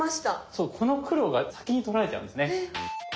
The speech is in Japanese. そうこの黒が先に取られちゃうんですね。